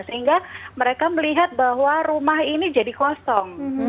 sehingga mereka melihat bahwa rumah ini jadi kosong